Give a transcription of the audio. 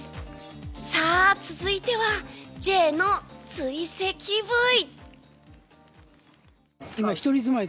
続いてはＪの追跡ブイ！